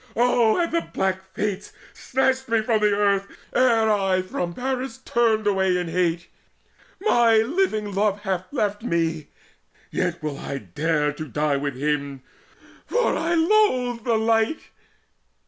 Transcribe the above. Oh had the black Fates snatched me from the earth Ere I from Paris turned away in hate! My living love hath left me! yet will I Dare to die with him, for I loathe the light."